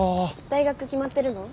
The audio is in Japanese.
大学決まってるの？